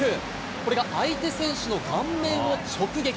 これが相手選手の顔面を直撃。